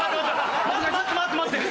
待って待って待って！